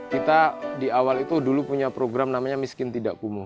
kita di awal itu dulu punya program namanya miskin tidak kumuh